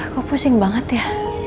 kok pusing banget ya